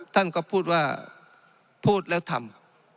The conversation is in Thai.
ท่านก็พูดว่าพูดแล้วทำ